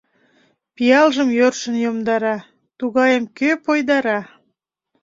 Пиалжым йӧршын йомдара, Тугайым кӧ пойдара?